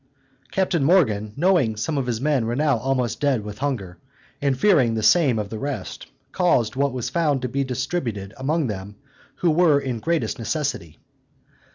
Captain Morgan, knowing some of his men were now almost dead with hunger, and fearing the same of the rest, caused what was found to be distributed among them who were in greatest necessity.